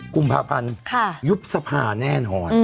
กุมภาพันธ์ยุบสภาแน่นอน